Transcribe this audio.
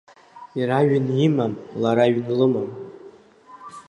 Иара ҩын имам, лара ҩн лымам.